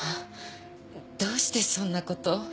どうしてそんなこと？